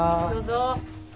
どうぞ。